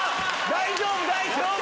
大丈夫大丈夫！